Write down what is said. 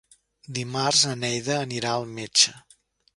Dimarts na Neida anirà al metge.